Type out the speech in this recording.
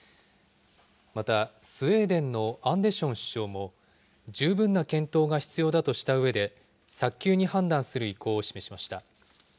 また、スウェーデンのアンデション首相も、十分な検討が必要だとしたうえで、早急に判断する意向を示しました。